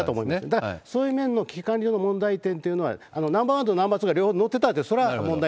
だからそういう面の危機管理の問題点というのは、ナンバー１とナンバー２が両方乗ってたら、なるほど。